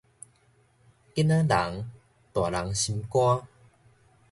囡仔人，大人心肝